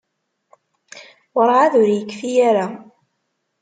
Werɛad ur yekfi ara.